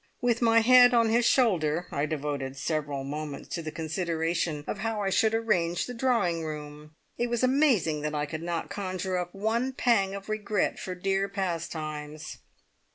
With my head on his shoulder I devoted several moments to the consideration of how I should arrange the drawing room. It was amazing that I could not conjure up one pang of regret for dear "Pastimes!"